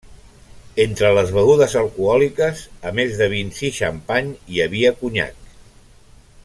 Entre les begudes alcohòliques a més de vins i xampany hi havia conyac.